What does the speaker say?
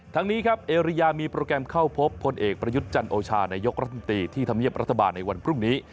ทั้งนี้ครับเอริยามีโปรแกรมเข้าพบพลเอกประยุทธ์จันโอชานายกรัฐมนตรีที่ทำเนียบรัฐบาลในวันพรุ่งนี้